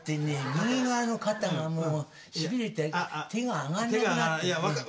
右側の肩がもうしびれて手が上がんなくなっちゃって。